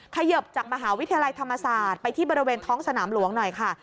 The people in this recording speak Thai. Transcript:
เขยิบจากมหาวิทยาลัยธรรมศาสตร์ไปที่บริเวณท้องสนามหลวงหน่อยค่ะ